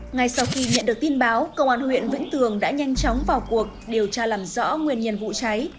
ngay sau khi nhận được tin báo công an huyện vĩnh tường đã nhanh chóng vào cuộc điều tra làm rõ nguyên nhân vụ cháy